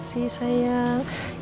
yaudah kita berdoa ya allah